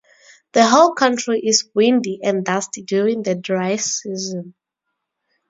The whole country is windy and dusty during the dry season.